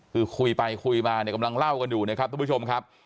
คือคุยไปคุยมาเนี่ยกำลังเล่ากันอยู่นะครับทุกผู้ชมครับ